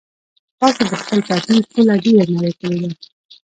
تاسو د خپل پټي پوله ډېره نرۍ کړې ده.